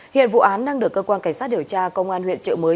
hiện vụ án đang được cơ quan cảnh sát điều tra công an huyện trợ mới